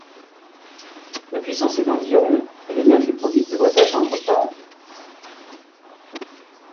La puissance est d'environ et l'énergie produite devrait atteindre par an.